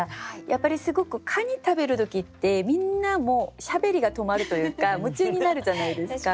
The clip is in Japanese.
やっぱりすごくカニ食べる時ってみんなもうしゃべりが止まるというか夢中になるじゃないですか。